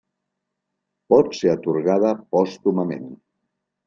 Pot ser atorgada pòstumament.